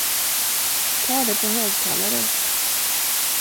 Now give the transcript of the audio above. Ta det på högtalare!